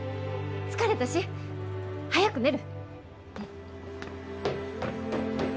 疲れたし早く寝る！